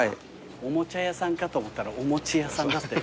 おもちゃ屋さんかと思ったら「おもちやさん」だったよ。